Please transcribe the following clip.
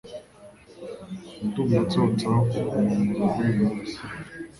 Ndumva nsohotse aho kuguma murugo uyu munsi.